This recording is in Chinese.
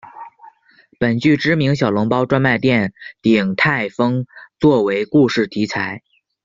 本剧知名小笼包专卖店鼎泰丰做为故事题材。